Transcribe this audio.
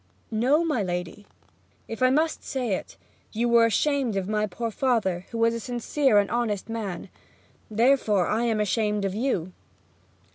'No, my lady. If I must say it, you were ashamed of my poor father, who was a sincere and honest man; therefore, I am ashamed of you.'